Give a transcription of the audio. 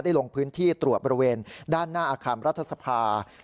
ได้ลงพื้นที่ตรวจบริเวณด้านหน้าอาคารรัฐศาสตร์ภาคม